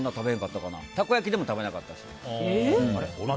たこ焼きでも食べなかったし。